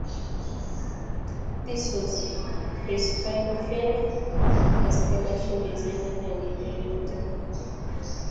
This was his final film as production designer and director.